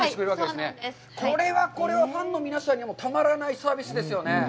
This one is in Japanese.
これはこれはファンの皆さんにはたまらないサービスですよね。